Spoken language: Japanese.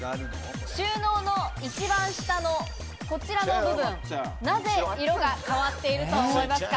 収納の一番下のこちらの部分、なぜ色が変わっていると思いますか？